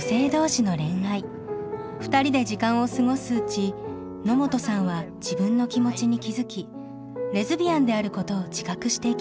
２人で時間を過ごすうち野本さんは自分の気持ちに気付きレズビアンであることを自覚していきます。